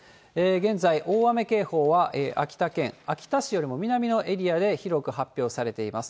現在、大雨警報は秋田県秋田市よりも南のエリアで広く発表されています。